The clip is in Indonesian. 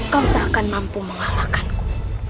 kau tak akan mampu mengalahkanku